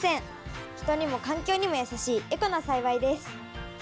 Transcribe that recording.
人にも環境にもやさしいエコな栽培です。